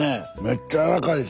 めっちゃ柔らかいし。